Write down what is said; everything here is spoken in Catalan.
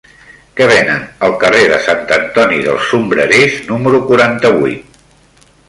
Què venen al carrer de Sant Antoni dels Sombrerers número quaranta-vuit?